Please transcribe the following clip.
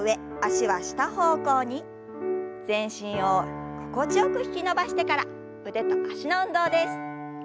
全身を心地よく引き伸ばしてから腕と脚の運動です。